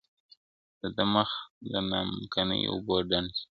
دده مخ د نمکينو اوبو ډنډ سي~